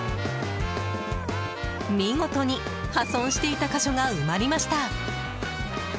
見事に破損していた箇所が埋まりました。